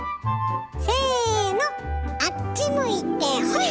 せのあっち向いてホイ！